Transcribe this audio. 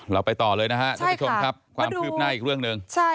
เราไปต่อเลยนะครับความคลิปหน้าอีกเรื่องหนึ่ง